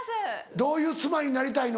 どういう妻になりたいの？